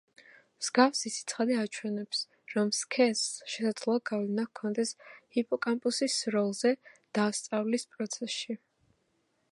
მსგავსი სიცხადე აჩვენებს, რომ სქესს შესაძლოა გავლენა ჰქონდეს ჰიპოკამპუსის როლზე დასწავლის პროცესში.